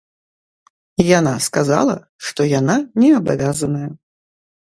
Яна сказала, што яна не абавязаная.